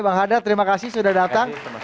bang hadar terima kasih sudah datang